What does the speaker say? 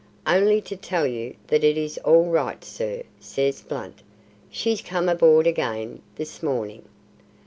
"Only to tell you that it is all right, sir," says Blunt. "She's come aboard again this morning."